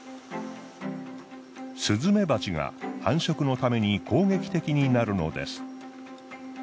スズメバチが繁殖のために攻撃的になるのです。